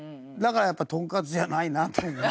だからやっぱトンカツじゃないなという。